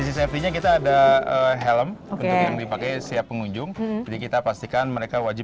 sisi kita ada helm oke yang dipakai siap pengunjung kita pastikan mereka wajib